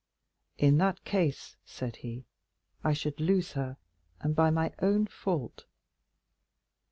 "In that case," said he, "I should lose her, and by my own fault."